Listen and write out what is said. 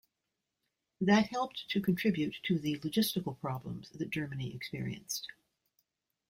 That helped to contribute to the logistical problems that Germany experienced.